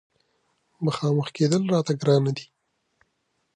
مخامخ کېدل راته ګرانه دي.